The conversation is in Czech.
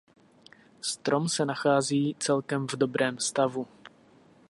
Strom se nachází celkem v dobrém stavu.